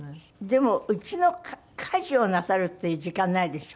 でもうちの家事をなさるっていう時間ないでしょ？